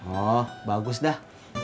oh bagus dah